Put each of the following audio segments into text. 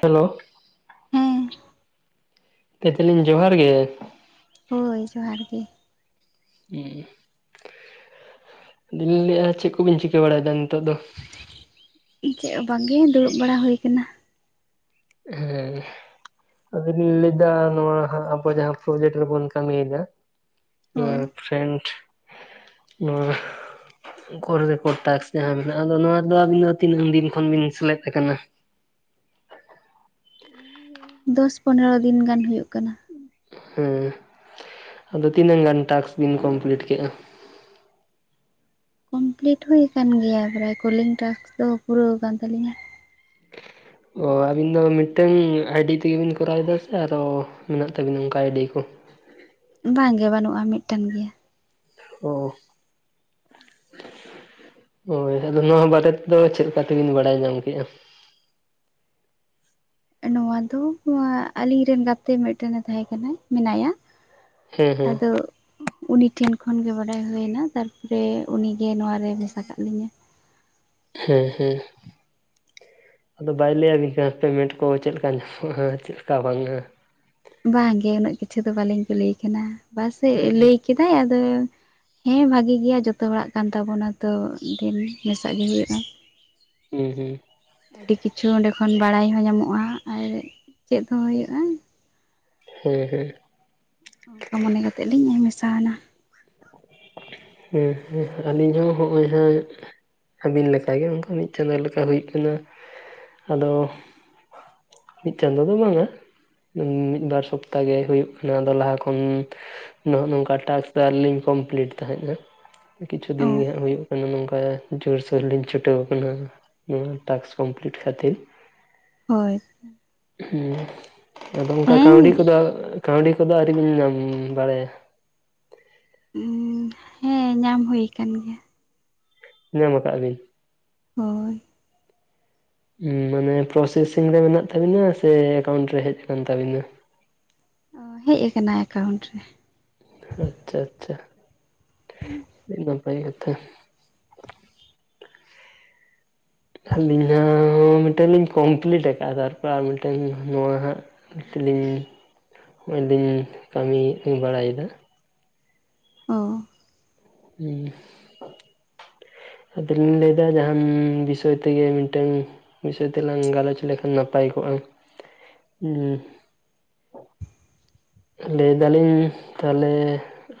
Hello ᱦᱮᱸ [inaudible] ᱞᱤᱧ ᱡᱚᱦᱟᱨ ᱜᱮ᱾ ᱦᱳᱭ ᱡᱚᱸᱦᱟᱨ ᱜᱮ᱾ ᱦᱩᱸ ᱟᱞᱤᱧ ᱞᱟᱹᱭᱮᱫᱼᱟ ᱪᱮᱫ ᱠᱚᱵᱤᱱ ᱪᱤᱠᱟᱹ ᱵᱟᱲᱟᱭᱮᱫᱟ ᱱᱤᱛᱚᱜ ᱫᱚ? ᱪᱮᱫ ᱦᱚᱸ ᱵᱟᱝᱜᱮ ᱫᱩᱲᱩᱵ ᱵᱟᱲᱟ ᱦᱩᱭᱩ ᱠᱟᱱᱟ᱾ ᱦᱮᱸ᱾ ᱟᱫᱚ ᱞᱤᱧ ᱞᱮᱭ ᱫᱟ ᱱᱚᱣᱟ ᱦᱟᱸᱜ ᱟᱵᱚ ᱡᱟᱸᱦᱟ ᱯᱨᱡᱮᱴ ᱨᱮᱵᱚᱱ ᱠᱟᱹᱢᱤᱭ ᱫᱟ ᱦᱳᱭ ᱦᱮᱸ ᱯᱷᱨᱮᱱᱰ, ᱱᱚᱣᱟ [inaudible] ᱴᱟᱠᱥ ᱡᱟᱦᱟᱸ ᱢᱮᱱᱟᱜᱼᱟ ᱟᱫᱚ ᱱᱚᱣᱟ ᱨᱮᱫᱚ ᱟᱹᱵᱤᱱ ᱫᱚ ᱛᱤᱱᱟᱹᱝ ᱫᱤᱱ ᱠᱷᱚᱱ ᱵᱤᱱ ᱥᱮᱞᱮᱫ ᱟᱠᱟᱱᱟ? ᱫᱚᱥ ᱯᱚᱱᱮᱨᱚ ᱫᱤᱱ ᱜᱟᱱ ᱦᱩᱭᱩᱜ ᱠᱟᱱᱟ᱾ ᱦᱮᱸ ᱟᱫᱚ ᱛᱤᱱᱟᱹᱝ ᱜᱟᱱ ᱴᱟᱠᱥ ᱵᱤᱱ ᱠᱚᱢᱯᱤᱞᱤᱴ ᱠᱮᱜ-ᱟ? ᱠᱚᱢᱯᱞᱤᱴ ᱦᱩᱭ ᱠᱟᱱ ᱜᱮᱭᱟ ᱯᱨᱟᱭ ᱠᱚᱞᱤᱝ ᱴᱟᱠᱥ ᱫᱚ ᱯᱩᱨᱟᱹᱣ ᱠᱟᱱ ᱛᱟᱹᱟᱞᱤᱧᱟ᱾ [inaudible] ᱚ ᱟᱹᱵᱤᱱ ᱫᱚ ᱢᱤᱫᱴᱟᱝ ᱟᱭ ᱰᱤ ᱛᱮᱜᱮ ᱵᱤᱱ ᱠᱚᱨᱟᱣ ᱮᱫᱟ ᱥᱮ ᱟᱨᱚ ᱢᱮᱱᱟᱜ ᱛᱟᱵᱤᱱᱟ ᱚᱱᱠᱟ ᱟᱭ ᱰᱤ ᱠᱚ? ᱵᱟᱝ ᱜᱮ ᱵᱟᱹᱱᱩᱜᱼᱟ ᱢᱤᱫᱴᱮᱱ ᱜᱮᱭᱟ᱾ ᱚ᱾ ᱦᱳᱭ, ᱟᱫᱚ ᱱᱚᱣᱟ ᱵᱟᱨᱮ ᱛᱮᱫᱚ ᱪᱮᱫᱞᱮᱠᱟ ᱛᱮᱵᱤᱱ ᱵᱟᱲᱟᱭ ᱧᱟᱢ ᱠᱮᱜᱼᱟ? ᱱᱚᱣᱟ ᱫᱚ ᱟᱞᱤᱧᱨᱮᱱ ᱜᱟᱛᱮ ᱢᱤᱫᱴᱮᱱᱮ ᱛᱟᱦᱮᱸ ᱠᱟᱱᱟᱭ ᱢᱮᱱᱟᱭᱟ, ᱦᱮᱸ ᱦᱮᱸ ᱟᱫᱚ ᱩᱱᱤ ᱴᱷᱮᱱ ᱠᱷᱚᱱᱜᱮ ᱵᱟᱰᱟᱭ ᱦᱩᱭᱱᱟ ᱛᱟᱨᱯᱚᱨᱮ ᱩᱱᱤᱜᱮ ᱱᱚᱣᱟᱨᱮ ᱢᱮᱥᱟ ᱠᱟᱜ ᱞᱤᱧᱟᱹ᱾ ᱦᱮᱸ ᱦᱮᱸ᱾ ᱟᱫᱚ ᱵᱟᱭ ᱞᱟᱹᱭᱟᱵᱤᱱ ᱠᱟᱱᱟ ᱯᱮᱢᱮᱱᱴ ᱠᱚ ᱪᱮᱫ ᱞᱮᱠᱟ ᱧᱟᱢᱚᱜᱼᱟ ᱪᱮᱫ ᱞᱮᱠᱟ ᱵᱟᱝᱼᱟ? ᱵᱟᱝᱜᱮ ᱩᱱᱟᱹᱜ ᱠᱤᱪᱷᱩ ᱫᱚ ᱵᱟᱹᱞᱤᱧ ᱠᱩᱞᱤᱭᱮ ᱠᱟᱱᱟ ᱵᱟᱥᱮ ᱦᱮᱸ ᱞᱮᱭ ᱠᱮᱫᱟᱭ ᱟᱫᱚ ᱦᱮᱸ ᱵᱷᱟᱜᱮ ᱜᱮᱭᱟ ᱡᱚᱛᱚ ᱦᱚᱲᱟᱜ ᱠᱟᱱ ᱛᱟᱵᱚᱱᱟ ᱛᱚ ᱫᱤᱱ ᱢᱮᱥᱟᱜ ᱜᱮ ᱦᱩᱭᱩᱜᱼᱟ᱾ ᱦᱩᱸ ᱦᱩᱸ᱾ ᱟᱹᱰᱤ ᱠᱤᱪᱷᱩ ᱚᱸᱰᱮ ᱠᱷᱚᱱ ᱵᱟᱲᱟᱭ ᱦᱚᱸ ᱧᱟᱢᱚᱜᱼᱟ ᱟᱨ ᱪᱮᱫ ᱦᱚᱸ ᱦᱩᱭᱩᱜᱼᱟ᱾ ᱦᱮᱸ ᱦᱮᱸ᱾ ᱚᱱᱠᱟ ᱢᱚᱱᱮ ᱠᱟᱛᱮᱫ ᱞᱤᱧ ᱢᱮᱥᱟᱣ ᱱᱟ᱾ ᱦᱮᱸ ᱦᱮᱸ ᱟᱹᱞᱤᱧ ᱦᱚᱸ ᱦᱚᱸ-ᱚᱭ ᱦᱟᱸᱜ ᱟᱹᱵᱤᱱ ᱞᱮᱠᱟᱜᱮ ᱚᱱᱠᱟ ᱢᱤᱫ ᱪᱟᱸᱫᱳ ᱞᱮᱠᱟ ᱦᱩᱭᱩᱜ ᱠᱟᱱᱟ, ᱟᱫᱚ ᱢᱤᱫ ᱪᱟᱸᱫᱳ ᱫᱚ ᱵᱟᱝᱟ ᱾ ᱢᱤᱫᱵᱟᱨ ᱥᱚᱯᱛᱟ ᱜᱮ ᱦᱩᱭᱩᱜ ᱠᱟᱱᱟ ᱟᱫᱚ ᱞᱟᱦᱟ ᱠᱷᱚᱱ ᱱᱚᱜ ᱱᱚᱝᱠᱟ ᱴᱟᱥᱠ ᱫᱚ ᱟᱣᱨᱤ ᱞᱤᱧ ᱠᱚᱢᱯᱞᱤᱴ ᱛᱟᱦᱮᱸᱫ ᱦᱟᱸᱜ ᱠᱤᱪᱷᱩ ᱚ ᱫᱤᱱ ᱜᱮ ᱦᱟᱸᱜ ᱦᱩᱭᱩᱜ [unintelligible] ᱱᱚᱝᱠᱟ ᱡᱳᱨᱥᱳᱨ ᱞᱤᱧ ᱪᱷᱩᱴᱟᱹᱣ ᱟᱠᱟᱱᱟ᱾ ᱱᱚᱣᱟ ᱴᱟᱥᱠ ᱠᱚᱢᱯᱞᱤᱴ ᱠᱷᱟᱹᱛᱤᱨ ᱾ ᱦᱳᱭ ᱾ ᱦᱩᱸ ᱟᱫᱚ ᱚᱱᱠᱟ ᱦᱮᱸ ᱠᱟᱹᱣᱰᱤ ᱠᱚᱫᱚ ᱠᱟᱹᱣᱰᱤ ᱠᱚᱫᱚ ᱟᱹᱣᱨᱤ ᱵᱤᱱ ᱧᱟᱢ ᱵᱟᱲᱟᱭᱟ᱾ ᱦᱮᱸ ᱧᱟᱢ ᱦᱩᱭᱩ ᱠᱟᱱ ᱜᱮᱭᱟ᱾ ᱧᱟᱢ ᱠᱟᱜ-ᱟ ᱵᱤᱧ? ᱦᱳᱭ ᱾ ᱢᱟᱱᱮ ᱯᱨᱚᱥᱮᱥᱤᱝ ᱨᱮ ᱢᱮᱱᱟᱜ ᱛᱟᱵᱤᱱᱟ ᱥᱮ ᱮᱠᱟᱣᱩᱱᱴ ᱨᱮ ᱦᱮᱡ ᱟᱠᱟᱱ ᱛᱟᱵᱤᱱᱟ? ᱚ ᱦᱮᱡ ᱟᱠᱟᱱᱟ ᱮᱠᱟᱣᱩᱱᱴ ᱨᱮ ᱾ ᱟᱪᱪᱷᱟ ᱟᱪᱪᱷᱟ, ᱟᱹᱰᱤ ᱱᱟᱯᱟᱭ ᱠᱟᱛᱷᱟ ᱾ ᱟᱹᱞᱤᱧ ᱦᱟᱸᱜ ᱦᱚᱸ ᱢᱤᱫᱴᱮᱱ ᱞᱤᱧ ᱠᱚᱢᱯᱞᱤᱤᱴ ᱟᱠᱟᱟᱜ-ᱟ ᱛᱟᱨᱯᱚᱨ ᱟᱨ ᱢᱤᱫᱴᱮᱱ ᱱᱚᱣᱟ ᱦᱟᱸᱜ ᱛᱮᱞᱤᱧ ᱱᱚᱦᱚᱭᱞᱤᱤᱧ ᱠᱟᱹᱢᱤ ᱵᱟᱲᱟᱭᱮᱫᱟ᱾ ᱚ ᱾ ᱦᱩᱸ᱾ ᱟᱫᱚᱞᱤᱧ ᱞᱟᱹᱭᱮᱫᱟ ᱡᱟᱦᱟᱱ ᱵᱤᱥᱚᱭ ᱛᱮᱜᱮ ᱢᱤᱫᱴᱝ ᱵᱤᱥᱚᱭ ᱛᱮᱞᱟᱝ ᱜᱟᱞᱚᱪ ᱞᱮᱠᱷᱟᱱ ᱱᱟᱯᱟᱭ ᱠᱚᱜ-ᱟ ᱞᱟᱹᱭ ᱫᱟᱞᱤᱧ ᱛᱟᱦᱚᱞᱮ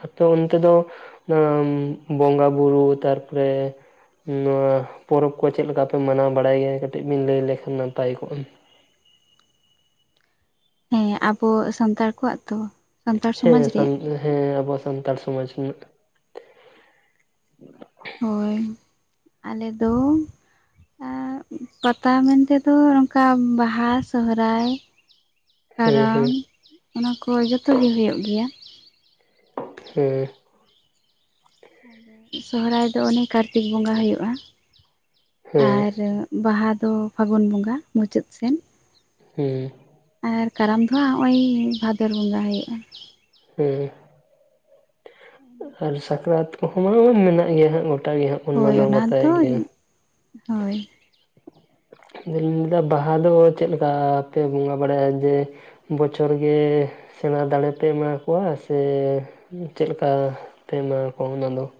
ᱟᱯᱮ ᱚᱱᱛᱮ ᱫᱚ ᱵᱚᱸᱜᱟ ᱵᱩᱨᱩ ᱛᱟᱨᱯᱚᱨᱮ ᱱᱚᱣᱟ ᱯᱚᱨᱚᱵ ᱠᱚ ᱪᱮᱫ ᱞᱮᱠᱟᱯᱮ ᱢᱟᱱᱟᱣ ᱵᱟᱲᱟᱭ ᱜᱮᱭᱟ ᱠᱟᱹᱴᱤᱡ ᱵᱤᱱ ᱞᱟᱹᱭ ᱞᱮᱠᱷᱟᱱ ᱱᱟᱯᱟᱭ ᱠᱚᱜ-ᱟ᱾ ᱦᱮᱸ ᱟᱵᱚ ᱥᱟᱱᱛᱟᱲ ᱠᱚᱣᱟᱜ ᱛᱚ? ᱥᱟᱱᱛᱟᱲ ᱥᱚᱢᱟᱡᱽ ᱦᱮᱸ ᱥᱟᱱ ᱨᱮᱭᱟᱜ ᱦᱮᱸ ᱟᱵᱚ ᱥᱟᱱᱛᱟᱲ ᱥᱚᱢᱟᱡ ᱨᱮᱱᱟᱜ᱾ ᱦᱳᱭ ᱟᱞᱮ ᱫᱚ ᱟᱨ ᱯᱟᱛᱟ ᱢᱮᱱᱛᱮᱫᱚ ᱱᱚᱝᱠᱟ ᱵᱟᱦᱟ ᱥᱚᱦᱨᱟᱭ [unintelligible] ᱠᱟᱨᱟᱢ ᱚᱱᱟ ᱠᱚ ᱡᱚᱛᱚ ᱜᱮ ᱦᱩᱭᱩᱜ ᱜᱮᱭᱟ ᱾ ᱦᱩᱸ᱾ ᱥᱚᱨᱚᱦᱨᱟᱭ ᱫᱚ ᱚᱱᱮ ᱠᱟᱨᱛᱤᱠ ᱵᱚᱸᱜᱟ ᱦᱩᱭᱩᱜ-ᱟ, ᱦᱮᱸ ᱟᱨ ᱵᱟᱦᱟ ᱫᱚ ᱯᱷᱟᱹᱜᱩᱱ ᱵᱚᱸᱜᱟ ᱢᱩᱪᱟᱹᱫ ᱥᱮᱱ ᱾ ᱦᱩᱸ᱾ ᱟᱨ ᱠᱟᱨᱟᱢ ᱫᱚ ᱦᱟᱸᱜ ᱱᱚᱼᱚᱭ ᱵᱷᱟᱫᱚᱨ ᱵᱚᱸᱜᱟ ᱦᱩᱭᱩᱜᱼᱟ᱾ ᱦᱩᱸ᱾ ᱟᱨ ᱥᱟᱠᱨᱟᱛ ᱠᱚᱦᱚᱸ ᱢᱟ ᱢᱮᱱᱟᱜ ᱜᱮᱭᱟ ᱦᱟᱸᱜ ᱜᱚᱴᱟ ᱜᱮ ᱦᱟᱸᱜ ᱾ ᱦᱳᱭ ᱚᱱᱟ ᱫᱚ ᱦᱳᱭ ᱾ ᱤᱧ ᱫᱩᱧ ᱞᱟᱹᱭᱫᱟ ᱵᱟᱦᱟ ᱫᱚ ᱪᱮᱫ ᱞᱮᱠᱟ ᱯᱮ ᱵᱚᱸᱜᱟ ᱵᱟᱲᱟᱭᱟ, ᱡᱮ ᱵᱚᱪᱷᱚᱨ ᱜᱮ ᱥᱮᱬᱟ ᱫᱟᱲᱮ ᱯᱮ ᱮᱢᱟ ᱠᱚᱣᱟ ᱥᱮ ᱪᱮᱫᱠᱟ? ᱯᱮ ᱮᱢᱟ ᱠᱚᱣᱟ ᱚᱱᱟ ᱫᱚ ᱾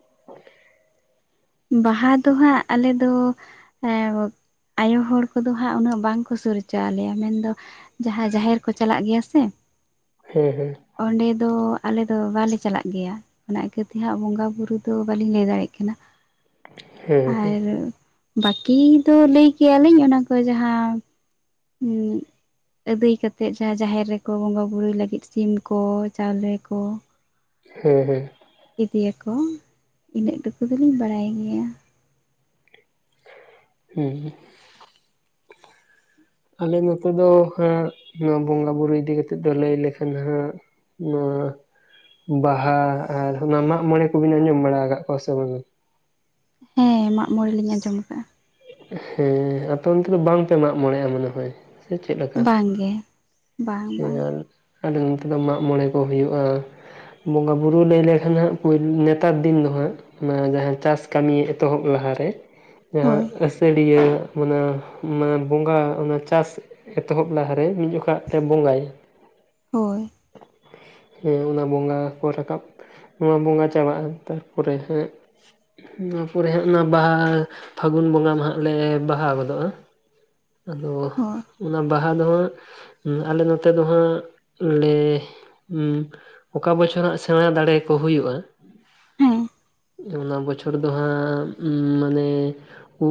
ᱵᱟᱦᱟ ᱫᱚ ᱦᱟᱸᱜ ᱟᱞᱮ ᱫᱚ ᱮᱸ ᱟᱭᱳ ᱦᱚᱲ ᱠᱚᱫᱚ ᱦᱟᱸᱜ ᱩᱱᱟᱹᱜ ᱵᱟᱝ ᱠᱚ ᱥᱩᱨ ᱦᱚᱪᱚ ᱟᱞᱮᱭᱟ ᱢᱮᱱᱫᱚ ᱡᱟᱦᱟᱸᱭ ᱡᱟᱦᱮᱨ ᱠᱚ ᱪᱟᱞᱟᱜ ᱜᱮᱭᱟ ᱥᱮ ᱦᱮᱸ ᱦᱮᱸ, ᱚᱸᱰᱮ ᱫᱚ ᱟᱞᱮ ᱫᱚ ᱵᱟᱞᱮ ᱪᱟᱞᱟᱜ ᱜᱮᱭᱟ। ᱚᱱᱟ ᱠᱷᱟᱹᱛᱮ ᱦᱟᱸᱜ ᱵᱚᱸᱜᱟᱼ ᱵᱩᱨᱩ ᱫᱚ ᱵᱟᱹᱞᱤᱧ ᱞᱟᱹᱭ ᱫᱟᱲᱭᱟᱜ ᱠᱟᱱᱟ᱿ ᱦᱮᱸ ᱟᱨ ᱵᱟᱹᱠᱤ ᱫᱚ ᱞᱟᱹᱭ ᱠᱮᱭᱟ ᱞᱤᱧ, ᱚᱱᱟ ᱠᱚ ᱡᱟᱦᱟᱸ [inaudible] ᱟᱹᱫᱟᱹᱭ ᱠᱟᱛᱮᱫ ᱡᱟᱦᱟᱸ ᱡᱟᱦᱮᱨ ᱨᱮᱠᱚ ᱵᱚᱸᱜᱟ ᱵᱩᱨᱩᱭ ᱞᱟᱹᱜᱤᱫ ᱥᱤᱢ ᱠᱚ, ᱪᱟᱣᱞᱮ ᱠᱚ ᱦᱮᱸ ᱦᱮᱸ, ᱤᱫᱤᱭᱟᱠᱚ, ᱤᱱᱟᱹᱜ ᱴᱩᱠᱩ ᱫᱚᱞᱤᱧ ᱵᱟᱲᱟᱭ ᱜᱮᱭᱟ᱾ ᱦᱩᱸᱦᱩᱸ [inaudible] ᱟᱞᱮ ᱱᱚᱛᱮ ᱫᱚ ᱦᱟᱸᱜ, ᱱᱚᱣᱟ ᱵᱚᱸᱜᱟ ᱵᱩᱨᱩ ᱤᱫᱤ ᱠᱟᱛᱮᱫ ᱫᱚ ᱞᱟᱹᱭ ᱞᱮᱠᱷᱟᱱ ᱦᱟᱸᱜ ᱱᱚᱣᱟ, ᱵᱟᱦᱟ ᱟᱨ ᱚᱱᱟ ᱢᱟᱜ ᱢᱚᱬᱮ ᱠᱚᱵᱤᱱ ᱟᱸᱡᱚᱢ ᱵᱟᱲᱟ ᱟᱠᱟᱫ ᱠᱚᱣᱟ ᱥᱮ ᱵᱟᱝ? ᱦᱮᱸ ᱢᱟᱜ ᱢᱚᱬᱮ ᱞᱤᱧ ᱟᱸᱡᱚᱢ ᱟᱠᱟᱫᱼᱟ᱾ ᱦᱮᱸ, ᱟᱯᱮ ᱚᱱᱛᱮ ᱫᱚ ᱵᱟᱝ ᱯᱮ ᱢᱟᱜ ᱢᱚᱬᱮᱜᱼᱟ ᱢᱚᱱᱮ ᱦᱳᱭ᱾ ᱥᱮ ᱪᱮᱫ ᱞᱮᱠᱟ ᱵᱟᱝᱜᱮ ᱵᱟᱝ [unintelligible] ᱦᱮ ᱵᱟᱝ ᱟᱨ ᱟᱞᱮ ᱱᱚᱛᱮ ᱫᱚ ᱢᱟᱜ ᱢᱚᱬᱮ ᱠᱚ ᱦᱩᱭᱩᱜᱼᱟ᱾ ᱵᱚᱸᱜᱟ ᱵᱳᱨᱳ ᱞᱟᱹᱭ ᱞᱮᱠᱷᱟᱱ ᱦᱟᱸᱜ ᱯᱩᱭᱞᱳ ᱱᱮᱛᱟᱨ ᱫᱤᱱ ᱫᱚ ᱦᱟᱸᱜ, ᱱᱚᱣᱟ ᱡᱟᱦᱟᱸ ᱪᱟᱥ ᱠᱟᱹᱢᱤ ᱮᱛᱚᱦᱚᱵ ᱞᱟᱦᱟᱨᱮ, ᱡᱟᱦᱟᱸ ᱦᱳᱭ ᱟᱹᱥᱟᱹᱲᱤᱭᱟᱹ, ᱚᱱᱟ ᱢᱟᱱ ᱵᱚᱸᱜᱟ ᱚᱱᱟ ᱪᱟᱥ ᱮᱛᱚᱦᱚᱵ ᱞᱟᱦᱟᱨ ᱨᱮ, ᱢᱤᱫ ᱡᱚᱠᱷᱚ ᱨᱟᱜ ᱛᱮ ᱵᱚᱸᱜᱟᱭ, ᱦᱳᱭ [inaudible] ᱦᱮᱸ ᱚᱱᱟ ᱵᱚᱸᱜᱟ ᱠᱚ ᱨᱟᱠᱟᱵ ᱱᱚᱣᱟ ᱵᱚᱸᱜᱟ ᱪᱟᱵᱟᱜᱼᱟ, ᱛᱟᱨᱯᱚᱨᱮ ᱦᱟᱸᱜ ᱱᱚᱣᱟ ᱯᱚᱨᱮ ᱮᱦᱚᱵ ᱱᱟ ᱵᱟᱦᱟ ᱦᱟᱠᱩ, ᱯᱷᱟᱹᱜᱩᱱ ᱵᱚᱸᱜᱟ ᱢᱟ ᱦᱟᱸᱜ ᱞᱮ ᱵᱟᱦᱟ ᱜᱚᱫᱚᱜᱼᱟ, [unintelligible] ᱟᱫᱚ ᱦᱳᱭ ᱚᱱᱟ ᱵᱟᱦᱟ ᱫᱚ ᱦᱟᱸᱜ ᱟᱞᱮ ᱱᱚᱛᱮ ᱫᱚ ᱦᱟᱸᱜ ᱞᱮ [unintelligible] ᱦᱩᱸ ᱚᱠᱟ ᱵᱚᱪᱷᱚᱨ ᱦᱟᱸᱜ ᱥᱮᱬᱟ ᱫᱟᱲᱮ ᱠᱚ ᱦᱩᱭᱩᱜᱼᱟ, ᱦᱮᱸ, ᱚᱱᱟ ᱵᱚᱪᱷᱚᱨ ᱫᱚ ᱦᱟᱸᱜ, ᱢᱟᱱᱮ ᱦᱩ,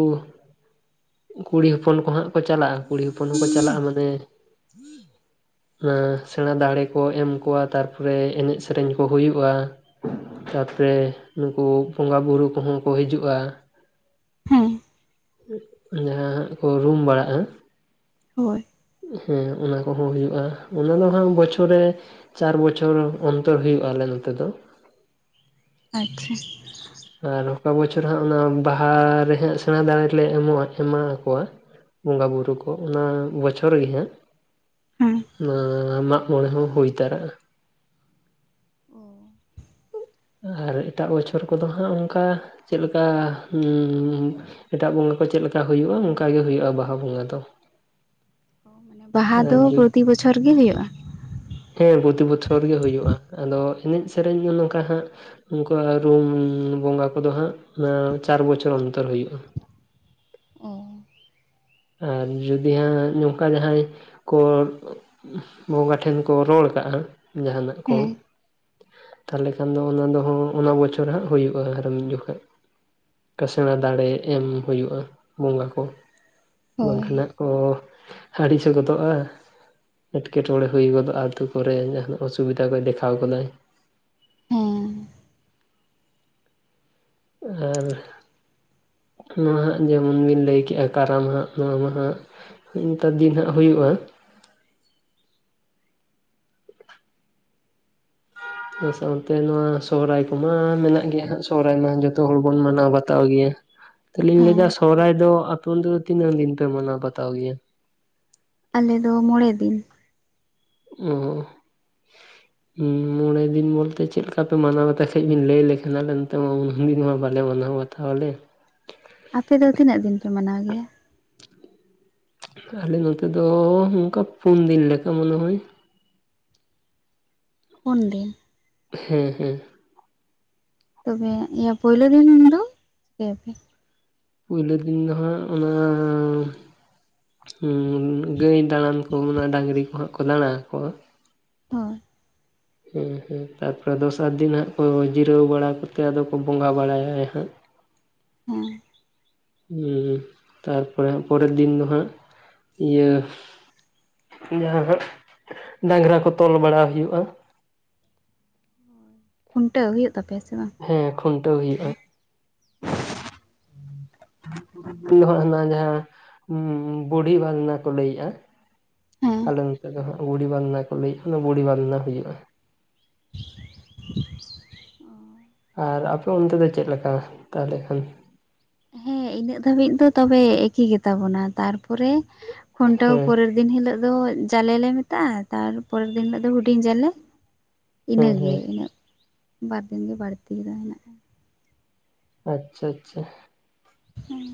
[inaudible] ᱠᱩᱲᱤ ᱦᱚᱯᱚᱱ ᱠᱚ ᱦᱟᱸᱜ ᱠᱚ ᱪᱟᱞᱟᱜᱼᱟ, ᱠᱩᱲᱤ ᱦᱚᱯᱚᱱ ᱦᱚᱸᱠᱚ ᱪᱟᱞᱟᱜᱼᱟ ᱢᱟᱱᱮ [inaudible] ᱦᱮᱸ ᱥᱮᱬᱟ ᱫᱟᱲᱮ ᱠᱚ ᱮᱢ ᱠᱚᱣᱟ ᱛᱟᱨᱯᱚᱨᱮ ᱮᱱᱮᱡ ᱥᱮᱨᱮᱧ ᱠᱚ ᱦᱩᱭᱩᱜᱼᱟ᱾ ᱛᱟᱨᱯᱚᱨᱮ ᱱᱩᱠᱩ ᱵᱚᱸᱜᱟ ᱵᱩᱨᱩ ᱠᱚᱦᱚᱸ ᱠᱚ ᱦᱤᱡᱩᱜᱼᱟ᱾ ᱦᱮᱸ, [inaudible] ᱡᱟᱦᱟᱸ ᱦᱟᱸᱜ ᱠᱚ ᱨᱩᱢ ᱵᱟᱲᱟᱜᱼᱟ᱾ ᱦᱳᱭ, [unintelligible] ᱦᱮᱸ ᱚᱱᱟ ᱠᱚᱦᱚᱸ ᱦᱩᱭᱩᱜᱼᱟ, ᱚᱱᱟ ᱫᱚ ᱦᱟᱸᱜ ᱵᱚᱪᱷᱚᱨ ᱨᱮ ᱪᱟᱨ ᱵᱚᱪᱷᱚᱨ ᱚᱱᱛᱚᱨ ᱦᱩᱭᱩᱜ-ᱟ ᱟᱞᱮ ᱱᱚᱛᱮ ᱫᱚ᱾ ᱟᱪᱪᱷᱟ, ᱟᱨ ᱚᱠᱟ ᱵᱚᱪᱷᱚᱨ ᱦᱟᱸᱜ ᱚᱱᱟ ᱵᱟᱦᱟᱨᱮ ᱦᱟᱸᱜ ᱥᱮᱬᱟ ᱫᱟᱸᱲᱮ ᱞᱮ ᱮᱢᱚᱜᱼᱟ, ᱮᱢᱟ ᱟᱠᱚᱣᱟ ᱵᱚᱸᱜᱟ ᱵᱩᱨᱩ ᱠᱚ, ᱚᱱᱟ ᱵᱚᱪᱷᱚᱨ ᱨᱮᱜᱮ ᱦᱟᱸᱜ, ᱦᱮᱸ ᱱᱚᱣᱟ ᱢᱟᱜ ᱢᱚᱬᱮ ᱦᱚᱸ ᱦᱩᱭ ᱛᱟᱨᱟᱜᱼᱟ᱾ ᱚ ᱟᱨ ᱮᱴᱟᱜ ᱵᱚᱪᱷᱚᱨ ᱠᱚᱫᱚ ᱦᱟᱸᱜ ᱚᱱᱠᱟ ᱪᱮᱫ ᱞᱮᱠᱟ ᱦᱩ ᱦᱩ, ᱮᱴᱟᱜ ᱵᱚᱸᱜᱟ ᱠᱚ ᱪᱮᱫ ᱞᱮᱠᱟ ᱦᱩᱭᱩᱜᱼᱟ, ᱚᱱᱠᱟᱜᱮ ᱦᱩᱭᱩᱜᱼᱟ ᱵᱟᱦᱟ ᱵᱚᱸᱜᱟ ᱫᱚ᱾ ᱵᱟᱦᱟ ᱟᱨ ᱫᱚ ᱡᱩᱫᱤ ᱯᱨᱚᱛᱤ ᱵᱚᱪᱷᱚᱨ ᱜᱮ ᱦᱩᱭᱩᱜᱼᱟ᱾ ᱦᱮᱸ ᱯᱨᱚᱛᱤ ᱵᱚᱪᱷᱚᱨ ᱜᱮ ᱦᱩᱭᱩᱜᱼᱟ ᱟᱫᱚ ᱮᱱᱮᱡ ᱥᱮᱨᱮᱧ ᱫᱚ ᱱᱚᱝᱠᱟ ᱦᱟᱸᱜ, ᱱᱚᱝᱠᱟ ᱟᱨ ᱦᱚᱸ ᱨᱩᱢ ᱵᱚᱸᱜᱟ ᱠᱚᱫᱚ ᱦᱟᱸᱜ ᱪᱟᱨ ᱵᱚᱪᱷᱚᱨ ᱚᱱᱛᱚᱨ ᱦᱩᱭᱩᱜᱼᱟ᱾ ᱚ ᱟᱨ ᱡᱩᱫᱤ ᱦᱟᱸᱜ ᱱᱚᱝᱠᱟ ᱡᱟᱦᱟᱸᱭ ᱠᱚ ᱵᱚᱸᱜᱟ ᱴᱷᱮᱱ ᱠᱚ ᱨᱚᱲ ᱠᱟᱜᱼᱟ ᱡᱟᱦᱟᱱᱟᱜ ᱠᱚ᱾ ᱦᱮᱸ ᱛᱟᱦᱚᱞᱮ ᱠᱷᱟᱱ ᱫᱚ ᱚᱱᱟ ᱫᱚᱦ ᱚᱱᱟ ᱵᱚᱪᱷᱚᱨ ᱦᱟᱸᱜ ᱦᱩᱭᱩᱜᱼᱟ ᱟᱨ ᱡᱚᱠᱷᱚᱡ ᱾ ᱠᱟᱥᱬᱟ ᱫᱟᱲᱮ ᱮᱢ ᱦᱩᱭᱩᱜᱳᱜᱼᱟ ᱵᱚᱸᱜᱟ ᱠᱚ ᱾ ᱦᱳᱭ ᱵᱟᱝᱠᱷᱟᱱ ᱦᱟᱜ ᱠᱚ ᱟᱹᱲᱤᱥ ᱜᱚᱫᱚᱜᱼᱟ ᱾ ᱮᱴᱠᱮ ᱴᱚᱬᱮ ᱦᱩᱭ ᱜᱚᱫᱚᱜᱼᱟᱛᱳ ᱠᱚᱨᱮ ᱡᱟᱦᱟᱱᱟᱜ ᱚᱥᱩᱵᱤᱫᱟ ᱠᱚᱭ ᱫᱮᱠᱷᱟᱣ ᱜᱚᱫᱟᱭ ᱾ ᱦᱮᱸ ᱦᱮᱸ, ᱱᱚᱣᱟ ᱦᱟᱸᱜ ᱡᱮᱢᱚᱱ ᱵᱤᱱ ᱞᱟᱹᱭ ᱠᱮᱜᱼᱟ ᱠᱟᱨᱟᱢ ᱦᱟᱸᱜ ᱱᱚᱣᱟ ᱢᱟᱦᱟᱸᱜ ᱾ ᱱᱮᱛᱟᱨ ᱫᱤᱱ ᱦᱟᱸᱜ ᱦᱩᱭᱩᱜᱼᱟ ᱾ ᱚᱱᱟ ᱥᱟᱶᱛᱮ ᱱᱚᱣᱟ ᱥᱚᱦᱚᱨᱟᱭ ᱠᱚᱢᱟ ᱢᱮᱱᱟᱜ ᱜᱮᱭᱟ ᱦᱟᱸᱜ ᱥᱚᱦᱨᱟᱭ ᱢᱟ ᱡᱚᱛᱚ ᱦᱚᱲ ᱵᱚᱱ ᱢᱟᱱᱟᱣ ᱵᱟᱛᱟᱣ ᱜᱮᱭᱟ ᱾ ᱛᱟᱦᱚᱞᱮᱧ ᱦᱮᱸ ᱞᱟᱹᱭᱮᱫᱟ ᱥᱚᱦᱚᱨᱟᱭ ᱫᱚ ᱟᱯᱮ ᱚᱱᱛᱮ ᱫᱚ ᱛᱤᱱᱟᱹᱜ ᱫᱤᱱ ᱯᱮ ᱢᱟᱱᱟᱣ ᱵᱟᱛᱟᱣ ᱜᱮᱭᱟ? ᱟᱞᱮᱫ ᱫᱚ ᱢᱚᱬᱮ ᱫᱤᱱ ᱾ ᱚ [inaudible] ᱢᱚᱬᱮ ᱫᱤᱱ ᱵᱚᱞᱛᱮ ᱪᱮᱫ ᱞᱮᱠᱟ ᱯᱮ ᱢᱟᱱᱟᱣ ᱤᱧ ᱞᱟᱹᱭ ᱟ ᱞᱮᱠᱷᱟᱱᱞᱮ ᱱᱛᱮ ᱢᱟ ᱩ ᱫᱤᱱ ᱢᱟ ᱵᱟᱞᱮ ᱢᱟᱱᱟᱣᱟ ᱾ ᱛᱟᱦᱚᱞᱮ, ᱟᱯᱮ ᱫᱚ ᱛᱤᱱᱟᱹᱜ ᱫᱤᱱ ᱯᱮ ᱢᱟᱱᱟᱣ ᱜᱮᱭᱟ? ᱟᱞᱮ ᱱᱚᱛᱮ ᱫᱚ ᱚᱱᱠᱟ ᱯᱩᱱ ᱫᱤᱱ ᱞᱮᱠᱟ ᱢᱚᱱᱮ ᱦᱚᱭ ᱾ ᱯᱩᱱᱫᱤᱱ, ᱦᱩᱸ ᱦᱩᱸ, ᱛᱚᱵᱮ ᱤᱭᱟᱹ ᱯᱩᱭᱞᱳ ᱫᱤᱱ ᱫᱚ ᱪᱤᱠᱟᱹᱭᱟᱯᱮ? ᱯᱩᱭᱞᱳ ᱫᱤᱱ ᱫᱚ ᱦᱟᱸᱜ ᱚᱱᱟ ᱜᱟᱹᱭ ᱫᱟᱬᱟᱱ ᱠᱚ ᱰᱟᱝᱨᱤ ᱠᱚᱦᱟᱸᱜ ᱠᱚ ᱫᱟᱬᱟ ᱟᱠᱚᱣᱟ, ᱦᱳᱭ, ᱦᱮᱸ ᱦᱮᱸ ᱛᱟᱨᱯᱚᱨᱮ ᱫᱚᱥᱟᱨ ᱫᱤᱱ ᱦᱟᱸᱜ ᱠᱚ ᱡᱤᱨᱟᱹᱣ ᱵᱟᱲᱟ ᱠᱚᱛᱮ ᱟᱫᱚ ᱠᱚ ᱵᱚᱸᱜᱟ ᱵᱟᱲᱟᱭᱟ ᱦᱟᱸᱜ ᱾ ᱦᱮᱸ, ᱦᱩᱸ ᱛᱟᱨᱯᱚᱨᱮ ᱦᱟᱜ ᱯᱚᱨᱮᱨ ᱫᱤᱱ ᱫᱚ ᱦᱟᱸᱜ ᱤᱭᱟᱹ ᱡᱟᱦᱟᱸ ᱦᱟᱜ ᱰᱟᱝᱨᱟ ᱠᱚ ᱛᱚᱞ ᱵᱟᱲᱟ ᱦᱩᱭᱩᱜᱼᱟ ᱾ ᱠᱷᱩᱱᱴᱟᱹᱣ ᱦᱩᱭᱩᱜ ᱛᱟᱯᱮᱭᱟ ᱥᱮ ᱵᱟᱝ? ᱦᱮᱸ ᱠᱷᱩᱱᱴᱟᱹᱣ ᱦᱩᱭᱩᱜᱼᱟ ᱾ ᱦᱮᱸ [inaudible] [unintelligible] ᱩᱱᱚ ᱚᱱᱟ ᱡᱟᱦᱟᱸ ᱵᱩᱦᱤᱵᱟᱨ ᱚᱱᱟ ᱠᱚ ᱞᱟᱹᱭᱮᱫᱼᱟ ᱾ ᱦᱮᱸ ᱟᱞᱮ ᱱᱚᱛᱮ ᱫᱚ ᱦᱟᱸᱜ ᱜᱩᱲᱤ ᱵᱟᱱᱱᱟ ᱠᱚ ᱞᱟᱹᱭᱮᱫ ᱚᱱᱟ ᱵᱩᱲᱤ ᱵᱟᱱᱱᱟ ᱦᱩᱭᱩᱜᱼᱟ ᱾ ᱟᱨ ᱟᱯᱮ ᱚᱱᱛᱮ ᱫᱚ ᱪᱮᱫ ᱞᱮᱠᱟ ᱛᱟᱦᱚᱞᱮ ᱠᱷᱟᱱ? ᱦᱮᱸ ᱤᱱᱟᱹᱜ ᱫᱷᱟᱹᱵᱤᱡ ᱫᱚ ᱛᱚᱵᱮ ᱮᱠᱤ ᱜᱮᱛᱟᱵᱚᱱᱟ ᱛᱟᱨᱯᱚᱨᱮ ᱠᱷᱩᱱᱴᱟᱹᱣ ᱦᱮᱸ ᱯᱚᱨᱮᱨ, ᱯ ᱫᱤᱱ ᱦᱤᱞᱳᱜ ᱫᱚ ᱡᱟᱞᱮ ᱞᱮ ᱢᱮᱛᱟᱜᱼᱟ, ᱛᱟᱨᱯᱚᱨᱮᱨ ᱫᱤᱱ ᱦᱤᱞᱳᱜ ᱫᱚ ᱦᱩᱰᱤᱧ ᱡᱟᱞᱮ ᱾ ᱦᱮᱸ ᱤᱱᱟᱹᱜᱮ ᱦᱮᱸ ᱤᱱᱟᱹᱜ ᱵᱟᱨ ᱫᱤᱱ ᱜᱮ ᱵᱟᱹᱲᱛᱤ ᱫᱚ ᱦᱮᱱᱟᱜᱼᱟ ᱾ ᱟᱪᱪᱷᱟ ᱟᱪᱪᱷᱟ᱾ ᱦᱮᱸ,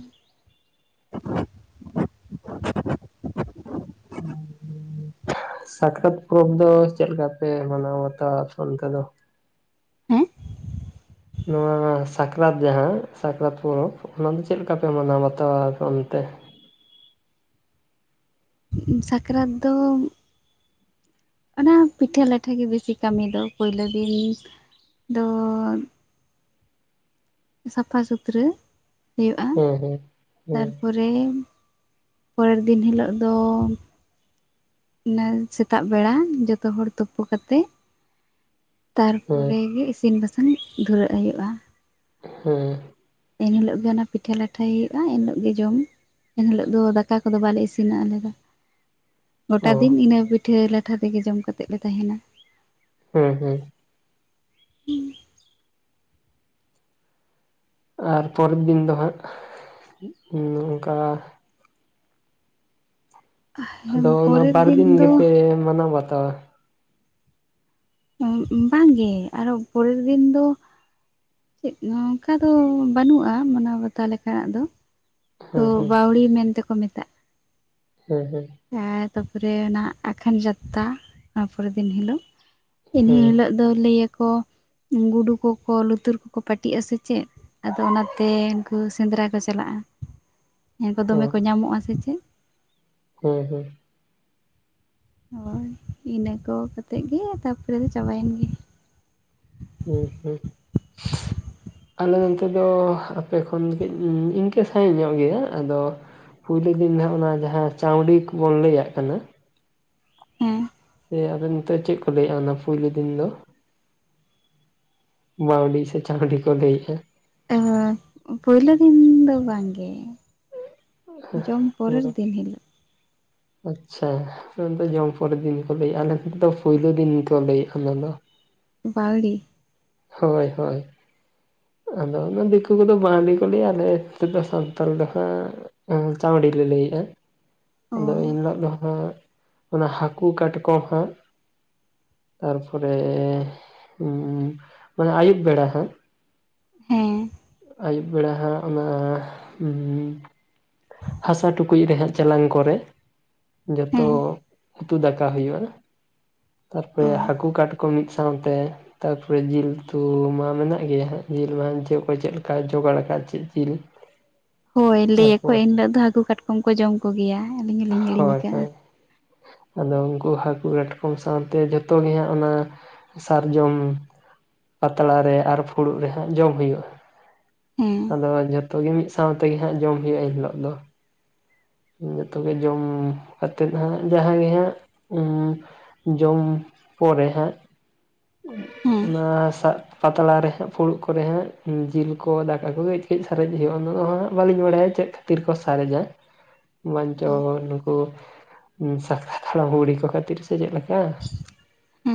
[inaudible] ᱥᱟᱠᱨᱟᱛ ᱯᱚᱨᱚᱵᱽ ᱫᱚ ᱪᱮᱫᱞ ᱞᱮᱠᱟ ᱯᱮ ᱢᱟᱱᱟᱣ ᱵᱟᱛᱟᱣᱟ ᱟᱯᱮ ᱚᱱᱛᱮ ᱫᱚ? ᱦᱮᱸ, ᱱᱚᱣᱟ ᱥᱟᱠᱨᱟᱛ ᱡᱟᱦᱟᱸ ᱥᱟᱠᱨᱟᱛ ᱯᱚᱨᱚᱵᱽ ᱚᱱᱟ ᱫᱚ ᱪᱮᱫᱞ ᱞᱮᱠᱟ ᱯᱮ ᱢᱟᱱᱟᱣ ᱵᱟᱛᱟᱣᱟ ᱚᱱᱛᱮ? ᱥᱟᱠᱨᱟᱛ ᱫᱚ, ᱚᱱᱟ ᱯᱤᱴᱷᱟᱹ ᱞᱟᱴᱷᱟᱮ ᱜᱮ ᱵᱮᱥᱤ ᱠᱟᱹᱢᱤ ᱫᱚ ᱯᱩᱭᱞᱳ ᱫᱤᱱ ᱫᱚ, ᱥᱟᱯᱷᱟ ᱥᱩᱛᱨᱟᱹ ᱦᱩᱭᱩᱜᱼᱟ ᱦᱮᱸ ᱦᱮᱸ ᱦᱮᱸ ᱛᱟᱨᱯᱚᱨ, ᱨᱮᱱ ᱯᱚᱨᱮᱨ ᱫᱤᱱ ᱦᱤᱞᱳᱜ ᱫᱚ ᱚᱱᱟ ᱥᱮᱛᱟᱜ ᱵᱮᱲᱟ ᱡᱚᱛᱚ ᱦᱚᱲ ᱛᱩᱯᱩ ᱠᱟᱛᱮᱜ ᱛᱟᱨᱯᱚᱨᱮ ᱜᱮ ᱤᱥᱤᱱ ᱵᱟᱥᱟᱝ ᱫᱷᱩᱨᱟᱹᱜ ᱦᱩᱭᱩᱜ-ᱟ᱾ ᱦᱩᱸ ᱮᱱᱦᱤᱞᱳᱜ ᱜᱮ ᱚᱱᱟ ᱯᱤᱴᱷᱟᱹ ᱞᱟᱴᱷᱟᱭ ᱦᱩᱭᱩᱜ-ᱟ, ᱮᱱᱦᱤᱞᱳᱜ ᱜᱮ ᱡᱚᱢ ᱮᱱᱦᱤᱞᱳᱜ ᱫᱚ ᱫᱟᱠᱟ ᱠᱚᱫᱚ ᱵᱟᱞᱮ ᱤᱥᱤᱱᱟ ᱟᱞᱮ ᱫᱚ᱾ ᱜᱚᱴᱟ ᱚ ᱫᱤᱱ ᱤᱱᱟᱹ ᱯᱤᱴᱷᱟᱹ ᱞᱟᱴᱷᱟ ᱛᱮᱜᱮ ᱡᱚᱢ ᱠᱟᱛᱮᱜ ᱞᱮ ᱛᱟᱦᱮᱱ-ᱟ᱾ ᱦᱩᱸ ᱦᱩᱸ᱾ ᱟᱨ ᱯᱚᱨᱮᱫ ᱫᱤᱱ ᱫᱚ ᱦᱟᱸᱜ ᱚᱱᱚᱝᱠᱟ ᱟᱫᱚ ᱚᱱᱟ ᱯᱚᱨᱮᱨ ᱵᱟᱨ ᱫᱤᱱ ᱫᱚ ᱜᱮᱯᱮ ᱢᱟᱱᱟᱣ ᱵᱟᱛᱟᱣᱟ? [unintelligible] ᱵᱟᱝ ᱜᱮ ᱟᱨᱚ ᱯᱚᱨᱮᱨ ᱫᱤᱱ ᱫᱚ ᱪᱮᱫ ᱱᱚᱝᱠᱟ ᱫᱚ ᱵᱟᱹᱱᱩᱜ-ᱟ ᱢᱟᱱᱟᱣ ᱵᱟᱛᱟᱣ ᱞᱮᱠᱟᱱᱟᱜ ᱫᱚ᱾ ᱛᱚ ᱦᱮᱸ ᱦᱮᱸ ᱵᱟᱣᱲᱤ ᱢᱮᱱ ᱛᱮᱠᱚ ᱢᱮᱛᱟᱜ᱾ ᱦᱮᱸ ᱦᱮᱸ᱾ ᱦᱮᱸ ᱛᱟᱯᱚᱨᱮ ᱱᱟᱜ ᱟᱠᱷᱟᱱ ᱡᱟᱛᱛᱟ ᱚᱱᱟ ᱯᱚᱨᱮ ᱫᱤᱱ ᱦᱤᱞᱳᱜ ᱤᱱᱟᱹ ᱦᱮᱸ ᱦᱤᱞᱳᱜ ᱫᱚ ᱞᱟᱹᱭᱟᱠᱚ ᱜᱩᱰᱩ ᱠᱚᱠᱚ ᱞᱩᱛᱩᱨ ᱠᱚᱠᱚ ᱯᱟᱹᱴᱤᱜ-ᱟ ᱥᱮ ᱪᱮᱜ? ᱟᱫᱚ ᱚᱱᱟᱛᱮ ᱩᱱᱠᱩ ᱥᱮᱸᱫᱽᱨᱟ ᱠᱚ ᱪᱟᱞᱟᱜ-ᱟ, ᱮᱸ ᱩᱝᱠᱩ ᱫᱚᱢᱮ ᱠᱚ ᱧᱟᱢᱚᱜ-ᱟ ᱥᱮ ᱪᱮᱫ? ᱦᱳᱭ ᱦᱳᱭ᱾ ᱦᱳᱭ ᱤᱱᱟᱹ ᱠᱚ ᱠᱟᱛᱮᱜ ᱜᱮ ᱛᱟᱯᱚᱨᱮ ᱫᱚ ᱪᱟᱵᱟᱭᱮᱱ ᱜᱮ᱾ ᱦᱩᱸ ᱦᱩᱸ᱾ ᱟᱞᱮ ᱱᱚᱱᱛᱮ ᱫᱚ ᱟᱯᱮ ᱠᱷᱚᱱ ᱫᱚ ᱠᱟᱹᱡ ᱤᱝᱠᱟᱹ ᱥᱟᱹᱦᱤᱡ ᱧᱚᱜ ᱜᱮᱭᱟ ᱟᱫᱚ ᱯᱩᱭᱞᱩ ᱫᱤᱱ ᱡᱟᱦᱟᱸ ᱚᱱᱟ ᱡᱟᱦᱟᱸ ᱪᱟᱶᱰᱤ ᱠᱩᱵᱚᱱ ᱞᱟᱹᱭᱟᱜ ᱠᱟᱱᱟ᱾ ᱦᱮᱸ᱾ ᱥᱮ ᱟᱵᱮᱱ ᱱᱤᱛᱳᱜ ᱪᱮᱜ ᱠᱚ ᱞᱟᱹᱭᱟᱜᱟ ᱚᱱᱟ ᱯᱩᱭᱞᱩ ᱫᱤᱱ ᱫᱚ? ᱵᱟᱶᱰᱤ ᱥᱮ ᱪᱟᱶᱰᱤ ᱠᱚ ᱞᱟᱹᱭᱮᱜ-ᱟ ᱾ ᱮ ᱦᱳᱭ ᱯᱳᱭᱞᱳ ᱫᱤᱱ ᱫᱚ ᱵᱟᱝ ᱜᱮ᱾ ᱦᱩᱸ ᱫᱤᱱ ᱦᱤᱞᱳᱜ ᱟᱪᱪᱷᱟ᱾ [unintelligible] ᱡᱚᱢ ᱯᱚᱨᱮᱨ ᱫᱤᱱ ᱠᱚ ᱞᱟᱹᱭᱮᱜ-ᱟ, ᱟᱞᱮ ᱥᱮᱱ ᱫᱚ ᱯᱩᱭᱞᱩ ᱫᱤᱱ ᱠᱚ ᱞᱟᱹᱭᱮᱜ-ᱟ ᱚᱱᱟ ᱫᱚ᱾ ᱵᱟᱣᱲᱤ᱾ ᱦᱳᱭ ᱦᱳᱭ᱾ ᱟᱫᱚ ᱚᱱᱟ ᱫᱤᱠᱩ ᱠᱚᱫᱚ ᱵᱟᱶᱞᱤ ᱠᱚ ᱞᱟᱹᱭᱟ ᱟᱞᱮ ᱛᱮᱫᱚ ᱥᱟᱱᱛᱟᱲ ᱫᱚ ᱦᱟᱸᱜ ᱮᱸ ᱪᱟᱶᱰᱤ ᱞᱮ ᱞᱟᱹᱭᱮᱜ-ᱟ᱾ ᱚ ᱟᱫᱚ ᱮᱱᱞᱳᱜ ᱫᱚ ᱦᱟᱸᱜ ᱚᱱᱟ ᱦᱟᱠᱩ ᱠᱟᱴᱠᱚᱢ ᱦᱟᱸᱜ ᱛᱟᱨᱯᱚᱨᱮ ᱢᱟᱱᱮ ᱟᱭᱩᱵ ᱵᱮᱲᱟ ᱦᱟᱸᱜ ᱦᱮᱸ᱾ ᱟᱭᱩᱵ ᱵᱮᱲᱟ ᱦᱟᱸᱜ ᱚᱱᱟ ᱦᱟᱥᱟ ᱴᱩᱠᱩᱡ ᱨᱮ ᱦᱟᱸᱜ ᱪᱟᱞᱟᱝ ᱠᱚᱨᱮ ᱡᱚᱛᱚ ᱦᱮᱸ ᱩᱛᱩ ᱫᱟᱠᱟ ᱦᱩᱭᱩᱜ-ᱟ, ᱚ ᱛᱟᱨᱯᱚᱨᱮ ᱦᱟᱠᱩ, ᱠᱟᱴᱠᱚᱢ, ᱢᱤᱫ ᱥᱟᱶᱛᱮ ᱛᱟᱯᱚᱨᱮ ᱡᱤᱞ ᱩᱛᱩ ᱢᱟ ᱢᱮᱱᱟᱜ ᱜᱮᱭᱟ ᱦᱟᱸᱜ ᱡᱤᱞ ᱢᱟ [unintelligible] ᱚᱠᱚᱭ ᱪᱮᱜ ᱞᱮᱠᱟᱭ ᱡᱚᱜᱟᱲ ᱟᱠᱟᱜ ᱪᱮᱜ ᱡᱤᱞ᱾ ᱦᱳᱭ ᱞᱟᱹᱭᱟ ᱠᱚ ᱛᱟᱨᱯᱚᱨ ᱮᱱᱞᱳᱜ ᱫᱚ ᱦᱟᱹᱠᱩ ᱠᱟᱴᱠᱚᱢ ᱠᱚ ᱡᱚᱢ ᱠᱚᱜᱮᱭᱟ ᱟᱹᱞᱤᱧ ᱦᱚᱞᱤᱧ ᱦᱤᱲᱤᱧ ᱦᱳᱭ ᱠᱟᱜᱟ᱾ ᱦᱳᱭ ᱟᱫᱚ ᱩᱝᱠᱩ ᱦᱟᱹᱠᱩ ᱠᱟᱴᱠᱚᱢ ᱥᱟᱶᱛᱮ ᱡᱷᱛᱚ ᱜᱮ ᱦᱟᱸᱜ ᱚᱱᱟ ᱥᱟᱨᱡᱚᱢ ᱯᱟᱛᱲᱟ ᱨᱮ ᱟᱨ ᱯᱷᱩᱲᱩᱜ ᱨᱮ ᱦᱟᱸᱜ ᱡᱚᱢ ᱦᱩᱭᱩᱜ-ᱟ᱾ ᱦᱮᱸ ᱟᱫᱚ ᱡᱚᱛᱚ ᱜᱮ ᱢᱤᱫ ᱥᱟᱶ ᱛᱮᱜᱮ ᱦᱟᱸᱜ ᱡᱚᱢ ᱦᱩᱭᱩᱜ-ᱟ ᱮᱱ ᱦᱤᱞᱳᱜ ᱫᱚ᱾ ᱩᱸ ᱡᱚᱛᱚ ᱜᱮ ᱡᱚᱢ ᱠᱟᱛᱮᱫ ᱦᱟᱸᱜ ᱡᱟᱦᱟᱸ ᱜᱮ ᱦᱟᱸᱜ ᱩᱸ ᱡᱚᱢ ᱯᱚᱨᱮ ᱦᱮ ᱦᱮᱸ ᱦᱟᱸ ᱥᱟᱜᱼᱼ ᱯᱟᱛᱲᱟ ᱨᱮ, ᱦᱟᱸᱜ ᱯᱷᱩᱲᱩᱜ ᱠᱚᱨᱮ ᱦᱟᱸᱜ ᱩᱸ ᱡᱤᱞ ᱠᱚ ᱫᱟᱠᱟ ᱠᱚᱜᱮ ᱠᱟᱹᱡ ᱠᱟᱹᱡ ᱥᱟᱨᱮᱡ ᱦᱩᱭᱩᱜ-ᱟ ᱩᱱᱟᱹᱜ ᱦᱟᱸᱜ ᱵᱟᱞᱤᱧ ᱵᱟᱲᱟᱭᱟ ᱪᱮᱫ᱾ ᱛᱤᱨ ᱠᱚ ᱥᱟᱨᱮᱡᱟ᱾ ᱚ ᱵᱟᱧᱪᱟᱣ ᱱᱩᱠᱩ, ᱥᱟᱠᱛᱟ ᱦᱟᱲᱟᱢ ᱵᱩᱲᱦᱤ ᱠᱚ ᱠᱷᱟᱹᱛᱤᱨ ᱥᱮ ᱪᱮᱜ ᱞᱮᱠᱟ᱾ ᱦᱮᱸ